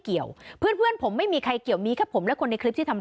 เกี่ยวเพื่อนเพื่อนผมไม่มีใครเกี่ยวมีแค่ผมและคนในคลิปที่ทำ